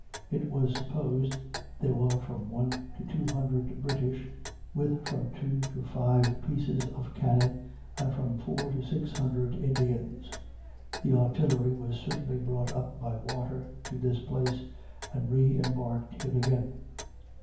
It was supposed there were from one to two hundred British, with from two to five pieces of cannon, and from four to six hundred Indians. The artillery was certainly brought up by water to this place, and reembarked here again.